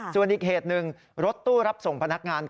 ส่วนอีกเหตุหนึ่งรถตู้รับส่งพนักงาน